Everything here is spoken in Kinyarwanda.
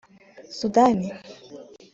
Sudani